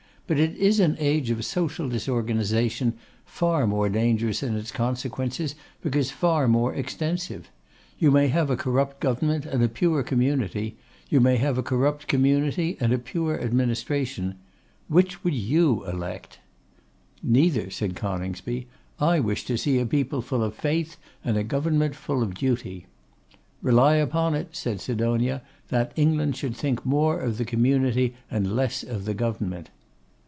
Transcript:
But it is an age of social disorganisation, far more dangerous in its consequences, because far more extensive. You may have a corrupt government and a pure community; you may have a corrupt community and a pure administration. Which would you elect?' Neither,' said Coningsby; 'I wish to see a people full of faith, and a government full of duty.' 'Rely upon it,' said Sidonia, 'that England should think more of the community and less of the government.